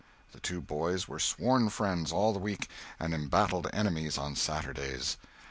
The two boys were sworn friends all the week, and embattled enemies on Saturdays.